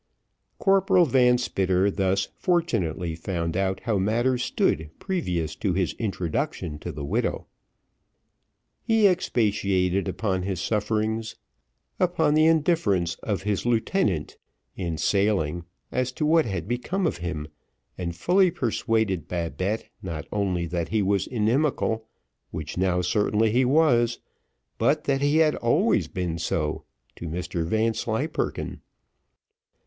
Corporal Van Spitter thus fortunately found out how matters stood previous to his introduction to the widow. He expatiated upon his sufferings, upon the indifference of his lieutenant in sailing as to what had become of him, and fully persuaded Babette not only that he was inimical, which now certainly he was, but that he always had been so, to Mr Vanslyperken.